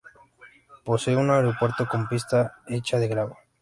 Posee un aeropuerto con pista hecha de grava.